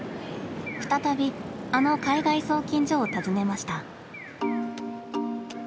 再びあの海外送金所を訪ねました。